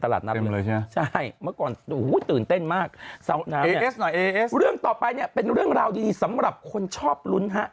เรื่องต่อไปเป็นเรื่องราวดีสำหรับคนชอบลุ้น